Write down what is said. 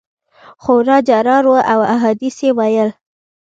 خورا جرار وو او احادیث یې ویل.